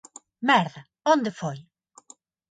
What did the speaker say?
Merda, onde foi?